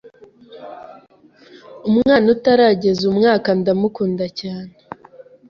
Umwana utarageza umwaka ndamukunda cyane